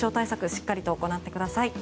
しっかりと行ってください。